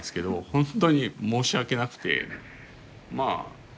本当に申し訳なくてまあ